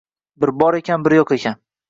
Bir bor ekan, bir yo‘q ekan...